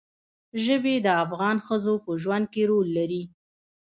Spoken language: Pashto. ژبې د افغان ښځو په ژوند کې رول لري.